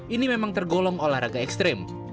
ini memang tergolong olahraga ekstrim